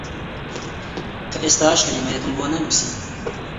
کە ئێستاش کەلیمەیەکم بۆ نەنووسی!